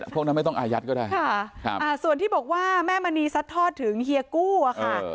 พวกนั้นไม่ต้องอายัดก็ได้ส่วนที่บอกว่าแม่มณีซัดทอดถึงเฮียกู้อะค่ะ